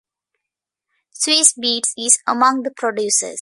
Swizz Beatz is among the producers.